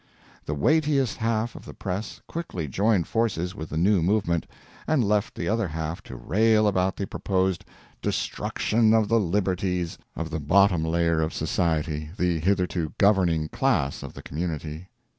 The weightiest half of the press quickly joined forces with the new movement, and left the other half to rail about the proposed "destruction of the liberties" of the bottom layer of society, the hitherto governing class of the community.